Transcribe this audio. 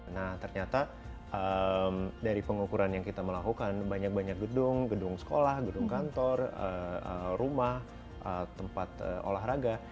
nah ternyata dari pengukuran yang kita melakukan banyak banyak gedung gedung sekolah gedung kantor rumah tempat olahraga